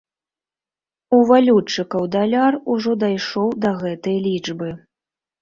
У валютчыкаў даляр ужо дайшоў да гэтай лічбы.